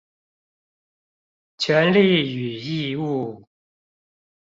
權利與義務